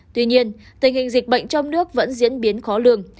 tuy nhiên tình hình dịch bệnh trong nước vẫn diễn biến khó lường